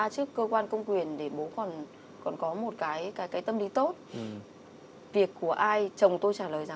tôi quá muốn chia sẻ với chị